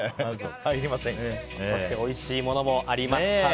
そしておいしいものもありましたね。